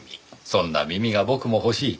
そんな耳が僕も欲しい。